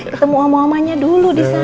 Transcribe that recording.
ketemu om omanya dulu disana